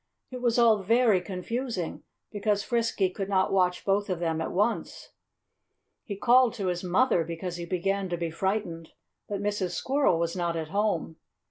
It was all very confusing, because Frisky could not watch both of them at once. He called to his mother, because he began to be frightened. But Mrs. Squirrel was not at home.